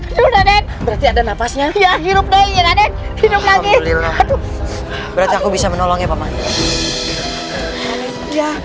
itu raden berarti ada nafasnya ya hidup daya raden hidup lagi berarti aku bisa menolong ya